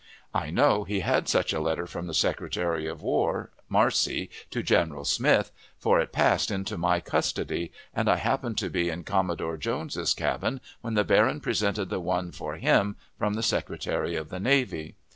I know he had such a letter from the Secretary of War, Marcy, to General Smith, for it passed into my custody, and I happened to be in Commodore Jones's cabin when the baron presented the one for him from the Secretary of the Navy.